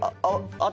あっ！